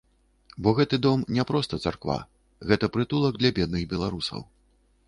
Бо гэты дом не проста царква, гэта прытулак для бедных беларусаў.